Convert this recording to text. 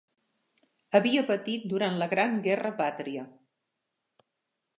Havia patit durant la Gran Guerra Pàtria.